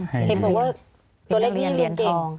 เห็นผมว่าตัวเล็กนี่เรียนเก่ง